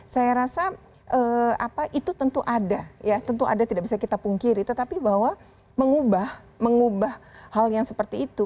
saya rasa apa itu tentu ada ya tentu ada tidak bisa kita pungkiri tetapi bahwa mengubah hal yang seperti itu